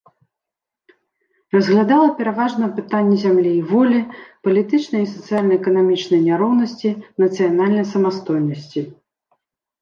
Разглядала пераважна пытанні зямлі і волі, палітычнай і сацыяльна-эканамічнай няроўнасці, нацыянальнай самастойнасці.